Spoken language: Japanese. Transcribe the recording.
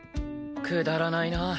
くだらないな。